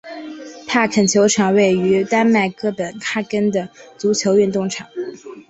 帕肯球场位于丹麦哥本哈根的足球运动场。